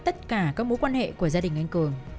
tất cả các mối quan hệ của gia đình anh cường